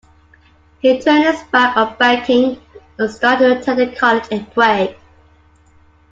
He turned his back on banking and started to attend a college in Prague.